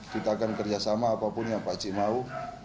kita akan kerjasama apapun yang pakcik mau